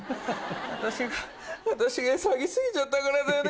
私が私がエサあげすぎちゃったからだよね